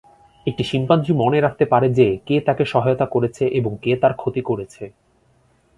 একটি শিম্পাঞ্জি মনে রাখতে পারে যে কে তাকে সহায়তা করেছে এবং কে তার ক্ষতি করেছে।